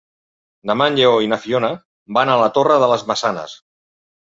Demà en Lleó i na Fiona van a la Torre de les Maçanes.